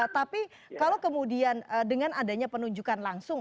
tapi kalau kemudian dengan adanya penunjukan langsung